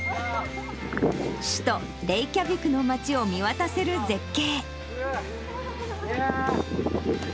首都レイキャビクの街を見渡せる絶景。